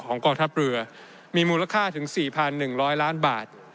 กองทัพเรือมีมูลค่าถึง๔๑๐๐ล้านบาท